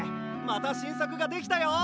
また新作ができたよ！